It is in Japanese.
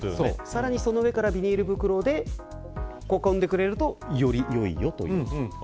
さらにその上からビニール袋で囲んでくれるとよりいいという。